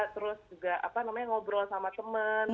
terus juga apa namanya ngobrol sama temen